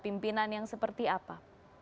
pimpinan yang seperti apa